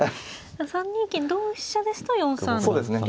３二金同飛車ですと４三竜ですね。